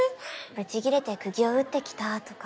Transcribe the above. ブチ切れて釘を打ってきたとか。